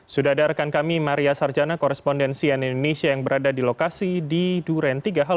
sudah ada rekan kami maria sarjana korespondensian indonesia yang berada di lokasi di duren tiga hal